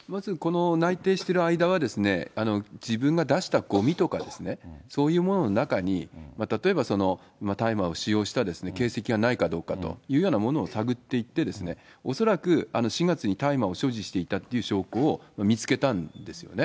内偵している間は、自分が出したごみとかですね、そういうものの中に、例えば大麻を使用した形跡がないかどうかというようなものを探っていって、恐らく始末に大麻を所持していたという証拠を見つけたんですよね。